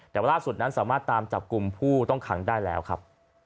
แต่ว่าล่าสุดนั้นสามารถตามจับกลุ่มผู้ต้องขังได้แล้วครับ